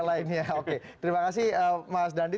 lainnya oke terima kasih mas dandi